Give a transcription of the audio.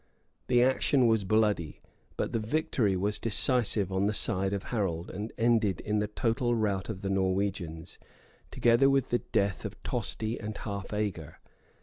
The action was bloody; but the victory was decisive on the side of Harold, and ended in the total rout of the Norwegians, together with the death of Tosti and Halfager.